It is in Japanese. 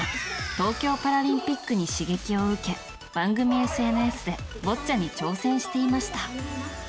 東京オリンピックに刺激を受け番組ＳＮＳでボッチャに挑戦していました。